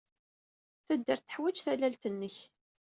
Taddart teḥwaj tallalt-nnek.